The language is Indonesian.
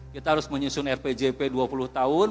kita harus menyusun rpjp dua puluh tahun